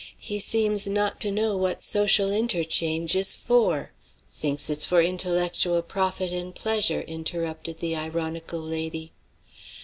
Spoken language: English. He seems not to know what social interchange is for." "Thinks it's for intellectual profit and pleasure," interrupted the ironical lady.